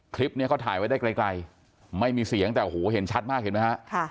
คลิปนี้เขาถ่ายไว้ได้ไกลไม่มีเสียงแต่โอ้โหเห็นชัดมากเห็นไหมฮะ